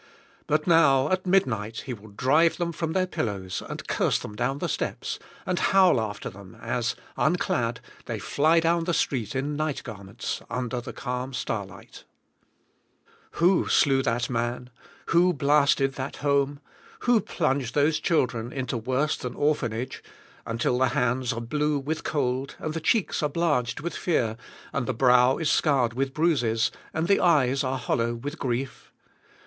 But now at midnight he will drive them from their pillows and curse them down the steps, and howl after them as, unclad, they fly down the street, in night garments, under the calm starlight. Who slew that man? Who blasted that home? Who plunged those children into worse than orphanage until the hands are blue with cold, and the cheeks are blanched with fear, and the brow is scarred with bruises, and the eyes are hollow with grief?